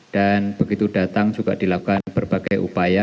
dan begitu datang juga dilakukan berbagai upaya